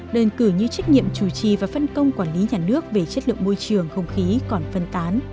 đơn cử như trách nhiệm chủ trì và phân công quản lý nhà nước về chất lượng môi trường không khí còn phân tán